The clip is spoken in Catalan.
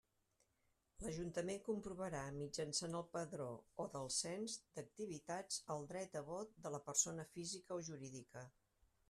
L'Ajuntament comprovarà mitjançant el Padró o del Cens d'Activitats el dret a vot de la persona física o jurídica.